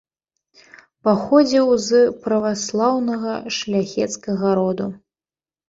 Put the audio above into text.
Паходзіў з праваслаўнага шляхецкага роду.